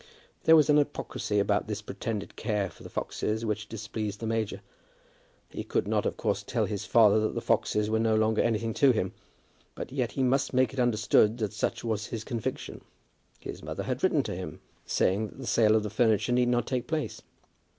There was an hypocrisy about this pretended care for the foxes which displeased the major. He could not, of course, tell his father that the foxes were no longer anything to him; but yet he must make it understood that such was his conviction. His mother had written to him, saying that the sale of furniture need not take place.